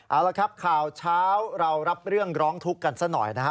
เอาละครับข่าวเช้าเรารับเรื่องร้องทุกข์กันซะหน่อยนะฮะ